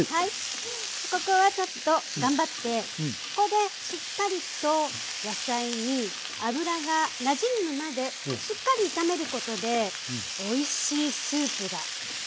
ここはちょっと頑張ってここでしっかりと野菜に油がなじむまで炒めることでおいしいスープになるんです。